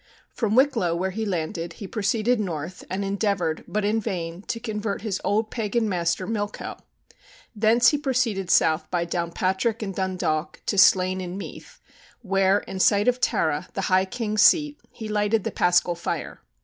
From Wicklow, where he landed, he proceeded north and endeavored, but in vain, to convert his old pagan master Milcho; thence he proceeded south by Downpatrick and Dundalk to Slane in Meath, where, in sight of Tara, the high king's seat, he lighted the paschal fire.